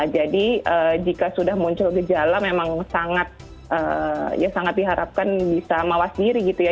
jadi jika sudah muncul gejala memang sangat ya sangat diharapkan bisa mawas diri gitu ya